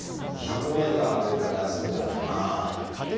１００ｍ歩いたら休んじゃうかなあ。